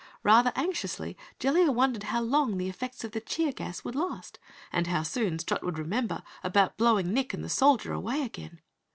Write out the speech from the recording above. Rather anxiously Jellia wondered how long the effects of the cheer gas would last, and how soon Strut would remember about blowing Nick and the Soldier away again.